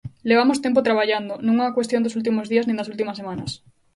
Levamos tempo traballando, non é unha cuestión dos últimos días nin das últimas semanas.